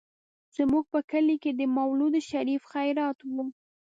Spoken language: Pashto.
زموږ په کلي کې د مولود شريف خيرات و.